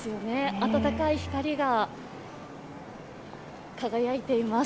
温かい光が輝いています。